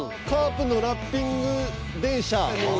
カープのラッピング電車